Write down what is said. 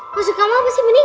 maksud kamu apa sih bening